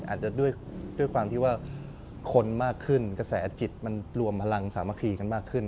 อาจจะด้วยความที่ว่าคนมากขึ้นกระแสจิตมันรวมพลังสามัคคีกันมากขึ้น